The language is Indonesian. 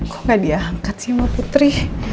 kok tidak diangkat sih sama putri